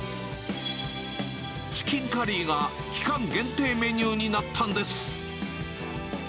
チキンカリーが期間限定メニューになったんです。